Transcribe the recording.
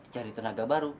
cari tenaga baru